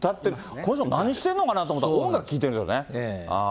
この人何してんのかなと思ったら、音楽聴いてるんですよね。